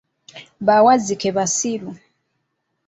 Bawazzike basiru.